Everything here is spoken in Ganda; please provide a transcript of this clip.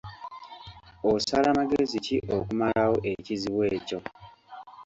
Osala magezi ki okumalwo ekizibu ekyo?